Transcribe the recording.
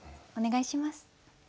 お願いします。